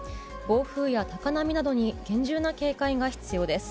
暴風や高波などに厳重な警戒が必要です。